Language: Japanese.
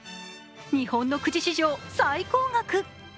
日本のくじ史上最高額。